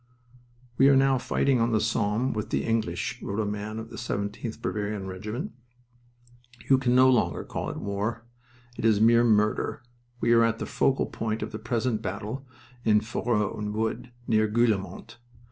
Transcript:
"We are now fighting on the Somme with the English," wrote a man of the 17th Bavarian Regiment. "You can no longer call it war. It is mere murder. We are at the focal point of the present battle in Foureaux Wood (near Guillemont).